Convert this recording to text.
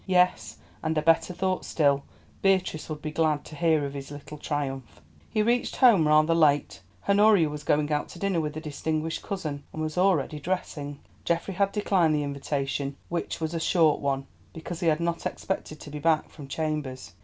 Yes, and a better thought still, Beatrice would be glad to hear of his little triumph. He reached home rather late. Honoria was going out to dinner with a distinguished cousin, and was already dressing. Geoffrey had declined the invitation, which was a short one, because he had not expected to be back from chambers.